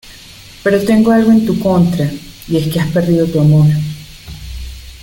pero tengo algo en tu contra y es que has perdido tu amor